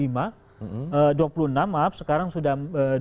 dua puluh enam maaf sekarang sudah dua puluh